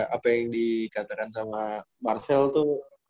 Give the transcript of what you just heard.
apa yang dikatakan sama marcel tuh